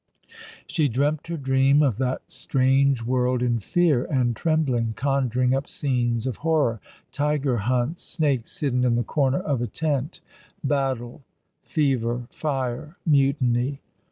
She dreamt her dream of that strange world in fear and trembling, conjuring up scenes of horror — tiger hunts; snakes hidden in the corner of a tent ; battle ; fever ; fire ; mutiny.